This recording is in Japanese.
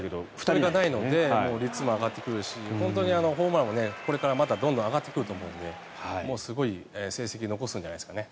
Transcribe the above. それがないので率も上がってくるしホームランもこれからどんどん上がってくると思うのですごい成績を残すんじゃないですかね。